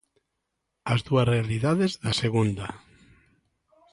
As dúas realidades da Segunda.